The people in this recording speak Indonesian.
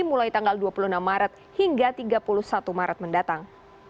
mulai tanggal dua puluh enam maret hingga tiga puluh satu maret mendatang